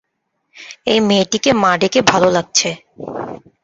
এই মেয়েটিকে মা ডেকে ভালো লাগছে।